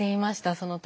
その時。